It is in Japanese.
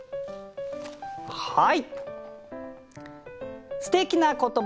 はい！